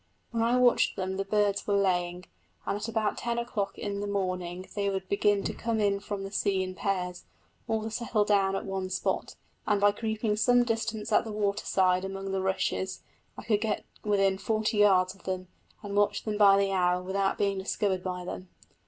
When I watched them the birds were laying; and at about ten o'clock in the morning they would begin to come in from the sea in pairs, all to settle down at one spot; and by creeping some distance at the water side among the rushes, I could get within forty yards of them, and watch them by the hour without being discovered by them.